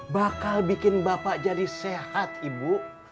bakal bikin bapak jadi sehat ibu